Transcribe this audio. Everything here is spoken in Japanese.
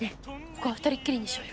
ここはふたりっきりにしようよ。